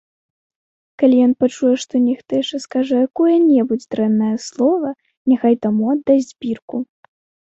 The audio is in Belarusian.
Калі ён пачуе, што нехта яшчэ скажа якое-небудзь дрэннае слова, няхай таму аддасць бірку.